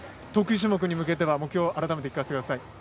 得意種目に向けて目標改めて聞かせてください。